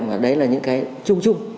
và đấy là những cái chung chung